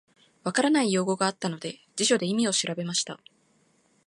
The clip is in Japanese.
分からない用語があったので、辞書で意味を調べました。